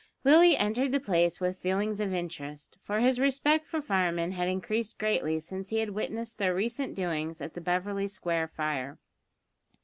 Willie entered the place with feelings of interest, for his respect for firemen had increased greatly since he had witnessed their recent doings at the Beverly Square fire.